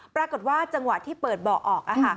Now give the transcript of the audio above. ปรากฏว่าจังหวะที่เปิดเบาะออก